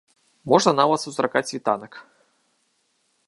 Можна нават сустракаць світанак.